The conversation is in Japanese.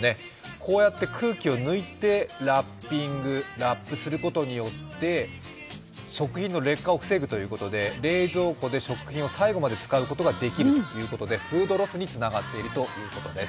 こうやって空気を抜いてラッピング、ラップすることによって食品の劣化を防ぐということで、冷蔵庫で食品を最後まで使うことができるということでフードロスにつながっているということです。